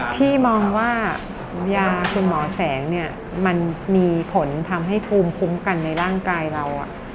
พี่มองว่ายาคุณหมอแสงเนี่ยมันมีผลทำให้ภูมิคุ้มกันในร่างกายเรา